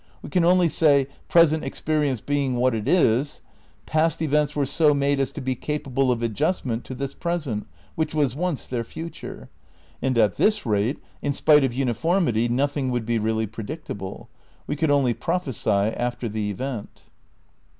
We can only say: Present ex perience being what is is, past events were so made as to be capable of adjustment to this present which was once their future. And at this rate, in spite of uni formity, nothing would be really predictable. We could only prophesy after the event.